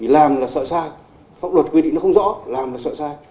làm là sợ sai pháp luật quy định nó không rõ làm là sợ sai